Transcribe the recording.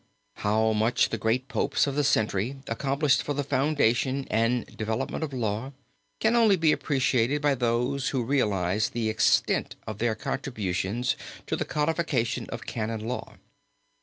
How much the great Popes of the century accomplished for the foundation and development of law, can only be appreciated by those who realize the extent of their contributions to the codification of canon law.